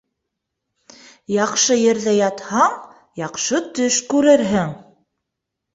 Яҡшы ерҙә ятһаң, яҡшы төш күрерһең.